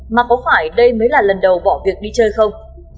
mà có phải đây mới là lần đầu bỏ việc đi chơi không